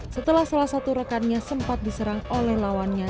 setelah salah satu rekannya sempat diserang oleh lawannya